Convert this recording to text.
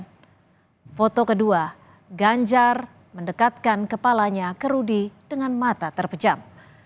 pada foto kedua ganjar mendekatkan kepalanya ke rudy dengan mata terpejam